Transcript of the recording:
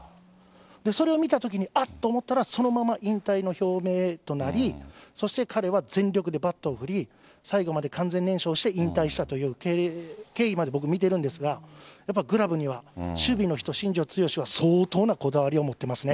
それを見たときに、あっと思ったら、そのまま引退の表明となり、そして彼は全力でバットを振り、最後まで完全燃焼して引退したという経緯まで、僕見てるんですが、やっぱグラブには、守備の人、新庄剛志は相当なこだわりを持ってますね。